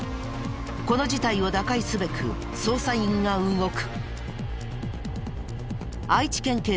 この事態を打開すべく捜査員が動く。